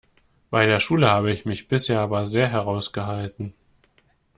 Bei der Schule habe ich mich bisher aber sehr heraus gehalten.